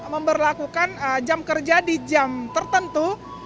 memperlakukan jam kerja di jam tertentu